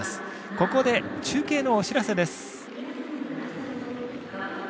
ここで中継のお知らせです。